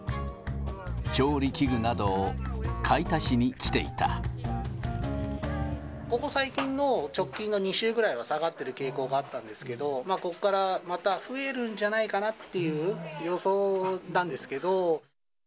調理器具などを買い足しに来ここ最近の、直近の２週ぐらいは下がってる傾向があったんですけど、ここからまた増えるんじゃないかなっていう予想なんですけど。